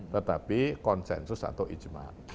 tetapi konsensus atau ijmat